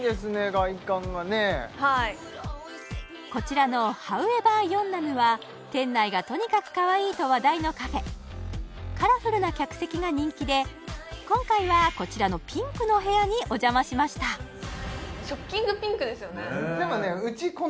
外観がねはいこちらのｈｏｗｅｖｅｒ延南は店内がとにかくかわいいと話題のカフェカラフルな客席が人気で今回はこちらのピンクの部屋にお邪魔しましたショッキングピンクですよね